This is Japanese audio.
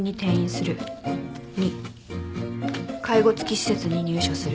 ２介護付き施設に入所する。